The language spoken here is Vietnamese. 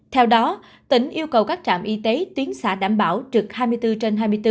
theo đó tỉnh yêu cầu các trạm y tế tuyến xã đảm bảo trực hai mươi bốn trên hai mươi bốn